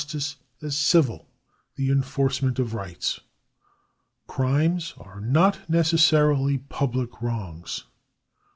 I^Civil — The enforcement of rights. Crimes not necessarily public wrongs.